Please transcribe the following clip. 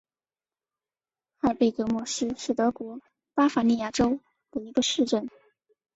哈尔贝格莫斯是德国巴伐利亚州的一个市镇。